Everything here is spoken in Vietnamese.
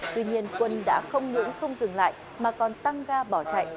tuy nhiên quân đã không những không dừng lại mà còn tăng ga bỏ chạy